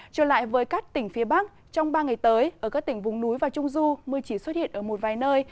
trở lại với các tỉnh phía bắc trong ba ngày tới ở các tỉnh vùng núi và trung du mưa chỉ xuất hiện ở một vài nơi